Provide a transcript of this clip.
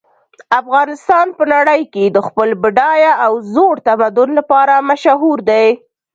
افغانستان په نړۍ کې د خپل بډایه او زوړ تمدن لپاره مشهور ده